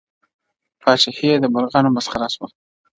پاچهي یې د مرغانو مسخره سوه.!